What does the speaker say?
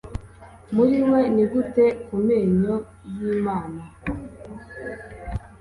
muri we. nigute ku menyo yimana